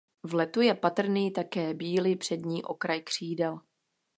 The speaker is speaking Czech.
V letu je patrný také bílý přední okraj křídel.